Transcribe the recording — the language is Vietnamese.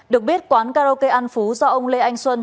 được biết quán karaoke an phú do ông lê anh xuân